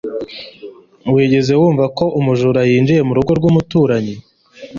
wigeze wumva ko umujura yinjiye mu rugo rw'umuturanyi